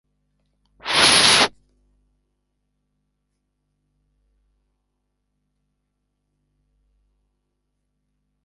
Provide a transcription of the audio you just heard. na historia inayoshangaza duniani kote watalii kutoka duniani kote wanakuja na kujionea historia hiyo